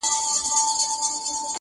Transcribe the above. توره شپه يې سوله جوړه پر چشمانو.!